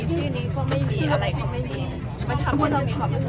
ชื่อนี้ก็ไม่มีอะไรก็ไม่มีมันทำให้เรามีความรู้สึก